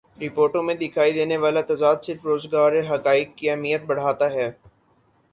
رپورٹوں میں دکھائی دینے والا تضاد صرف روزگار حقائق کی اہمیت بڑھاتا ہے